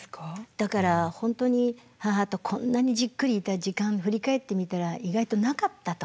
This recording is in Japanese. だから本当に母とこんなにじっくりいた時間振り返ってみたら意外となかったと。